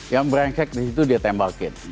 yang brengsek di situ dia tembakin